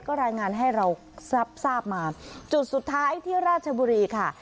ก็รายงานให้เราทราบมาจุดสุดท้ายที่ราชบุรีค่ะ